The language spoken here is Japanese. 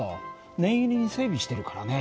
念入りに整備してるからね。